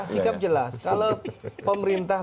sikap jelas kalau pemerintah